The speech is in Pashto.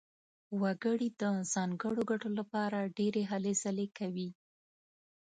وګړي د ځانګړو ګټو لپاره ډېرې هلې ځلې کوي.